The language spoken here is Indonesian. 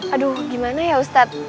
aduh gimana ya ustadz